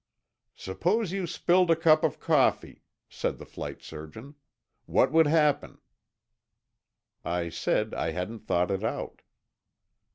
"Suppose you spilled a cup of coffee," said the flight surgeon. "What would happen?" I said I hadn't thought it out.